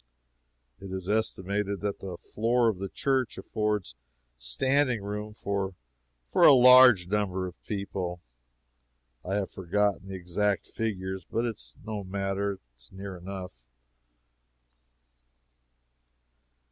It is estimated that the floor of the church affords standing room for for a large number of people; I have forgotten the exact figures. But it is no matter it is near enough.